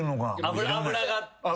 脂が。